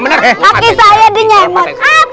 ada apa di dalam